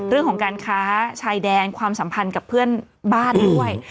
เรื่องของการค้าชายแดนความสัมพันธ์กับเพื่อนบ้านด้วย